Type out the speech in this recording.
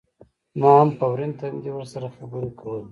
ما هم په ورين تندي ورسره خبرې کولې.